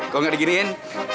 kalau gak diginiin